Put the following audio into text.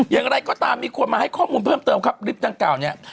อย่างไรก็ตามมีคนมาให้ข้อมูลเพิ่มเติมครับคลิปดังกล่าวเนี่ย